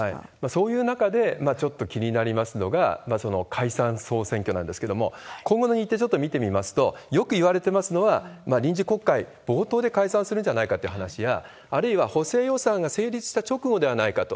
そういう中で、ちょっと気になりますのが、その解散・総選挙なんですけれども、今後の日程、ちょっと見てみますと、よくいわれてますのは、臨時国会、冒頭で解散するんじゃないかという話や、あるいは補正予算が成立した直後ではないかと。